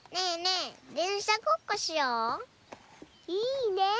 いいね。